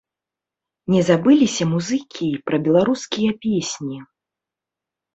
Не забыліся музыкі і пра беларускія песні.